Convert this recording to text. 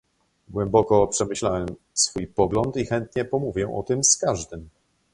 Głęboko przemyślałem swój pogląd i chętnie pomówię o tym z każdym